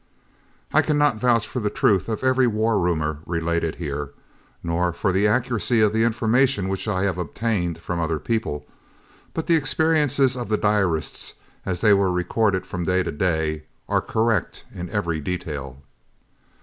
I cannot vouch for the truth of every war rumour related here, nor for the accuracy of the information which I have obtained from other people, but the experiences of the diarist, as they were recorded from day to day, are correct in every detail.